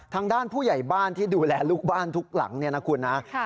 ทางด้านผู้ใหญ่บ้านที่ดูแลลูกบ้านทุกหลังเนี่ยนะคุณนะ